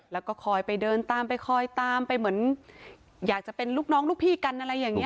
แล้วก็คอยไปเดินตามไปคอยตามไปเหมือนอยากจะเป็นลูกน้องลูกพี่กันอะไรอย่างนี้